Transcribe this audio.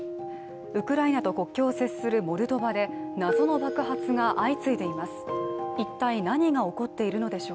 ウクライナと国境を接するモルドバで謎の爆発が相次いでいます。